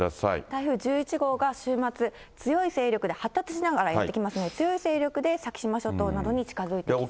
台風１１号が週末、強い勢力で発達しながらやって来ますので、強い勢力で先島諸島に近づいていきそうです。